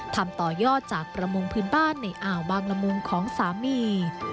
ทำต่อยอดจากประมงพื้นบ้านในอ่าวบางละมุงของสามี